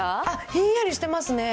ひんやりしてますね。